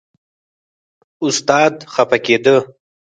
استاد خپه کېده.